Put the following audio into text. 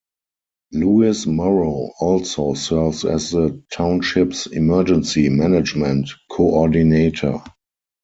Lewis Morrow also serves as the township's emergency management coordinator.